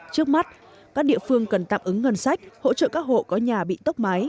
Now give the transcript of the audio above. trước mắt các địa phương cần tạm ứng ngân sách hỗ trợ các hộ có nhà bị tốc mái